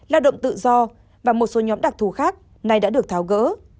lao động tự do và một số nhóm đặc thù khác nay đã được tháo gỡ